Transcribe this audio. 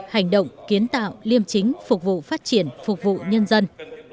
hành động kiến tạo liêm chính phục vụ phát triển phục vụ nhân dân